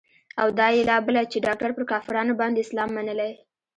او دا يې لا بله چې ډاکتر پر کافرانو باندې اسلام منلى.